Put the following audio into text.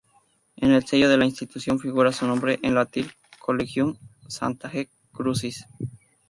En el sello de la institución figura su nombre en latín, Collegium Sanctae Crucis.